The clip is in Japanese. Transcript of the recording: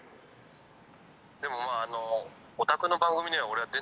でもまああの。